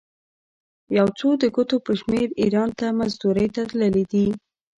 یو څو د ګوتو په شمېر ایران ته مزدورۍ ته تللي دي.